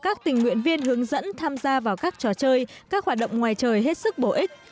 các tình nguyện viên hướng dẫn tham gia vào các trò chơi các hoạt động ngoài trời hết sức bổ ích